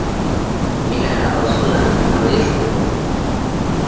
مینه او سوله نړۍ ښکلې کوي.